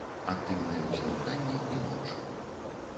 Актыўныя ў змярканні і ноччу.